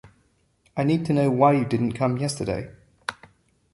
I need to know why you didn’t come yesterday.